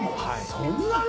そんなに！？